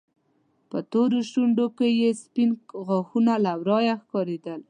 په تورو شونډو کې يې سپين غاښونه له ورايه ښکارېدل.